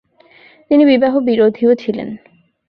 তিনি বিবাহ বিরোধীও ছিলেন।